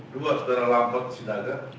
dua saudara lampot sinaga